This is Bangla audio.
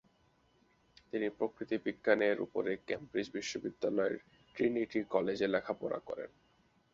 তিনি প্রকৃতি বিজ্ঞানের উপরে কেমব্রিজ বিশ্ববিদ্যালয়ের ট্রিনিটি কলেজে লেখাপড়া করেন।